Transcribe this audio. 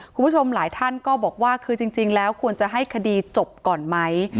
คุณผู้ชมหลายท่านก็บอกว่าคือจริงแล้วควรจะให้คดีจบก่อนไหม